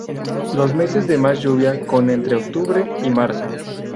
Los meses de más lluvia con entre octubre y marzo.